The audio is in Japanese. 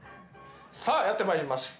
さあやってまいりました。